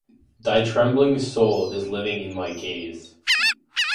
Thy trembling soul is living in my gaze.